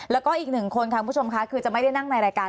แล้วก็อีกหนึ่งคนค่ะคุณผู้ชมค่ะคือจะไม่ได้นั่งในรายการ